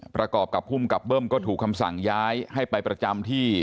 ประกอบกับภูมิกับเบิ้มก็ถูกคำสั่งย้ายให้ไปประจำที่